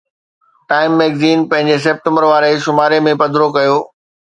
time magazine پنهنجي September واري شماري ۾ پڌرو ڪيو